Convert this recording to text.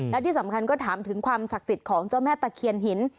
และที่สำคัญก็ถามถึงความศักดิ์สิทธิ์ของเจ้าแม่ตะเคียนหิน